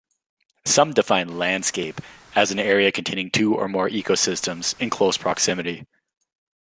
Some define 'landscape' as an area containing two or more ecosystems in close proximity.